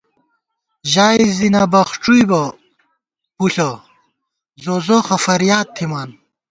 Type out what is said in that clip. ژائی زی نہ بخڄُوئی بہ پُݪہ زوزوخہ فِریاد تھِمان